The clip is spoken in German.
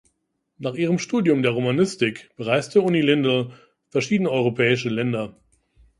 Nach ihrem Studium der Romanistik bereiste Unni Lindell verschiedene europäische Länder.